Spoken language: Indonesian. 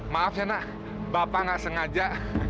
maaf saya nak bapak nggak sengaja